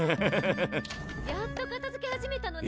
・やっと片づけ始めたのね。